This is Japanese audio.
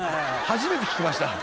初めて聞きました。